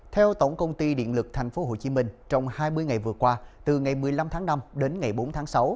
theo tổng công ty điện lực tp hcm trong hai mươi ngày vừa qua từ ngày một mươi năm tháng năm đến ngày bốn tháng sáu